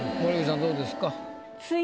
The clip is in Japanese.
どうですか？